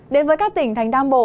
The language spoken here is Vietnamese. đến với các tỉnh thành đam bộ